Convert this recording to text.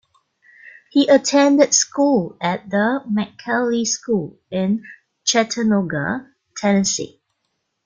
He attended school at The McCallie School in Chattanooga, Tennessee.